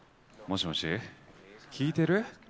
もしもし、聞いてる？